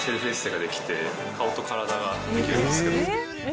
顔と体ができるんですけど。